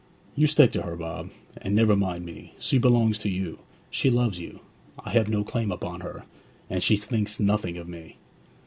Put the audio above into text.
'You stick to her, Bob, and never mind me. She belongs to you. She loves you. I have no claim upon her, and she thinks nothing about me.'